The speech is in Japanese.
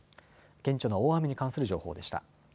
顕著な大雨に関する情報でした。